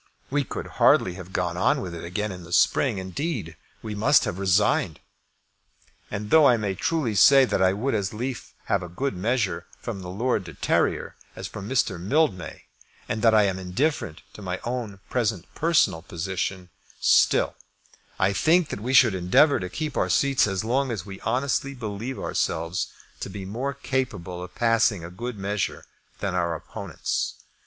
We could hardly have gone on with it again in the spring. Indeed, we must have resigned. And though I may truly say that I would as lief have a good measure from Lord de Terrier as from Mr. Mildmay, and that I am indifferent to my own present personal position, still I think that we should endeavour to keep our seats as long as we honestly believe ourselves to be more capable of passing a good measure than are our opponents.